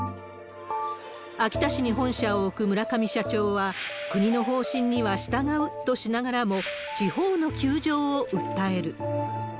秋田市に本社を置く村上社長は、国の方針には従うとしながらも、地方の窮状を訴える。